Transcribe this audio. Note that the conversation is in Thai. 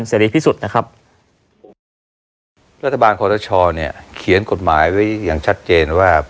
รีพิสุทธิ์นะครับรัฐบาลคอทชเนี่ยเขียนกฎหมายไว้อย่างชัดเจนว่า